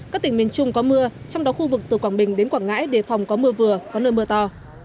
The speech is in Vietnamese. các tỉnh miền trung có mưa trong đó khu vực từ quảng bình đến quảng ngãi đề phòng có mưa vừa có nơi mưa to